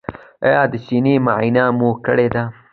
ایا د سینې معاینه مو کړې ده؟